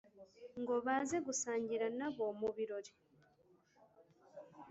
ngo baze gusangira na bo mubirori